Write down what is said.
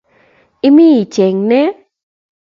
Imi ichenge ne?